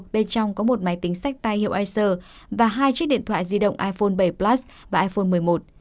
bên trong có một máy tính sách tay hiệu ic và hai chiếc điện thoại di động iphone bảy plas và iphone một mươi một